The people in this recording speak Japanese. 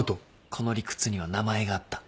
この理屈には名前があった。